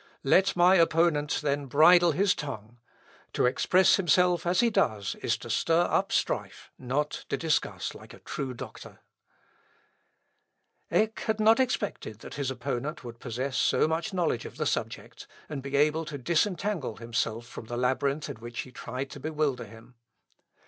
Let my opponent then bridle his tongue. To express himself as he does is to stir up strife, not to discuss like a true doctor." On this article of faith the Church is founded. (L. Op. Lat. i, p. 254.) Eck had not expected that his opponent would possess so much knowledge of the subject, and be able to disentangle himself from the labyrinth in which he tried to bewilder him.